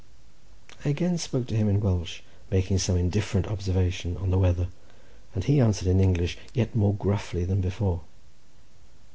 I again spoke to him in Welsh, making some indifferent observation on the weather, and he answered in English yet more gruffly than before.